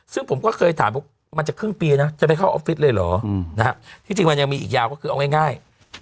ซึ่งผมก็เคยถามว่ามันจะครึ่งปีนะจะไปเข้าออฟฟิศเลยเหรอที่จริงมันยังมีอีกยาวก็คือเอาง่าย